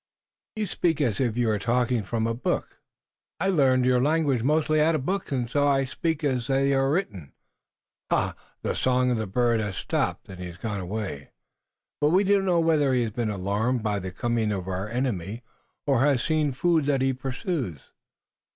"You speak as if you were talking from a book." "I learned your language mostly out of books, and so I speak as they are written. Ah, the song of the bird has stopped and he has gone away! But we do not know whether he has been alarmed by the coming of our enemy or has seen food that he pursues."